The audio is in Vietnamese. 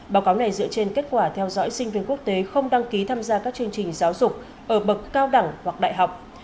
báo cáo này dựa trên kết quả theo dõi sinh viên quốc tế không đăng ký tham gia các chương trình giáo dục ở bậc cao đẳng hoặc đại học